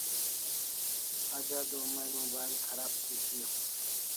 Aj adua may mobile kharab thi shiaw